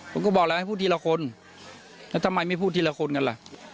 ผมก็บอกแล้วให้พูดทีละคนแล้วทำไมไม่พูดทีละคนกันล่ะ